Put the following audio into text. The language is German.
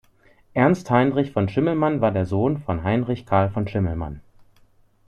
Ernst Heinrich von Schimmelmann war der Sohn von Heinrich Carl von Schimmelmann.